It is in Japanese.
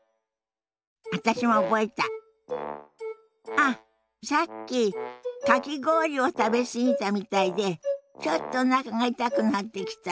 あっさっきかき氷を食べ過ぎたみたいでちょっとおなかが痛くなってきたわ。